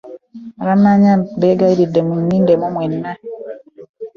Abammanja mbeegayiridde munnindemu mwenna.